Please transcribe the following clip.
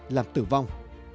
làm tử vong